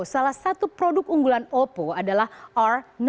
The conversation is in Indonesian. salah satu produk unggulan oppo adalah r enam